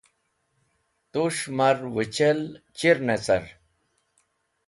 Tus̃h mar wẽchel chir ne car?